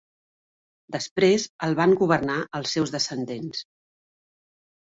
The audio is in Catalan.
Després el van governar els seus descendents.